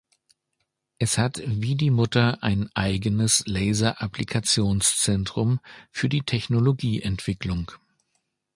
Es hat wie die Mutter ein eigenes Laser-Applikations-Zentrum für die Technologieentwicklung.